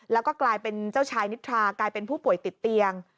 แล้วก็กลายเป็นเจ้าชายนิทรากลายเป็นผู้ป่วยติดเตียง